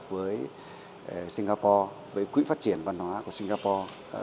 với singapore với quỹ phát triển văn hóa của singapore